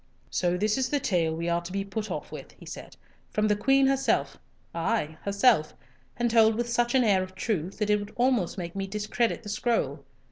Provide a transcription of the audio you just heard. "So this is the tale we are to be put off with," he said, "from the Queen herself, ay, herself, and told with such an air of truth that it would almost make me discredit the scroll.